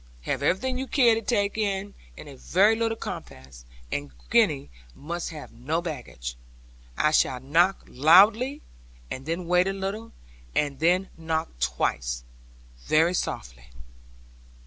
Have everything you care to take in a very little compass, and Gwenny must have no baggage. I shall knock loud, and then wait a little; and then knock twice, very softly.'